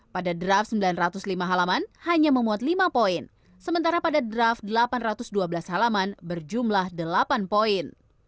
pada draft sembilan ratus lima halaman hanya memuat lima poin sementara pada draft delapan ratus dua belas halaman berjumlah delapan poin